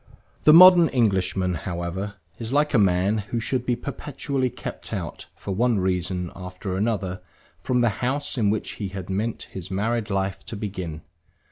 The modern Englishman, however, is like a man who should be perpetually kept out, for one reason after another, from the house in which he had meant his married life to begin.